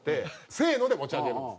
「せーの」で持ち上げるんです。